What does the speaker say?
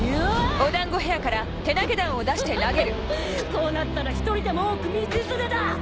こうなったら１人でも多く道連れだ！